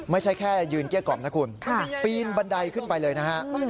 ไม่ใช่แค่ยืนเกลี้ยกล่อมนะคุณปีนบันไดขึ้นไปเลยนะฮะ